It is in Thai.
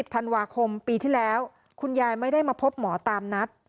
ธันวาคมปีที่แล้วคุณยายไม่ได้มาพบหมอตามนัด